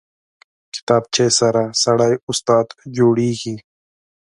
کتابچه سره سړی استاد جوړېږي